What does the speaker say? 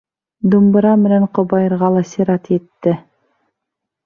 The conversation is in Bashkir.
Думбыра менән ҡобайырға ла сират етте.